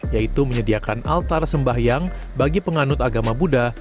yaitu menyediakan altar sembahyang bagi penganut agama buddha